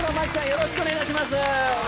よろしくお願いします